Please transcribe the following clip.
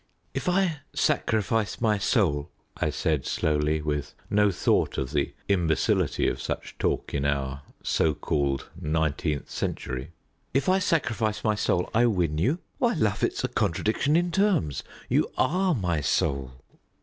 "If I sacrifice my soul," I said slowly, with no thought of the imbecility of such talk in our "so called nineteenth century" "if I sacrifice my soul, I win you? Why, love, it's a contradiction in terms. You are my soul."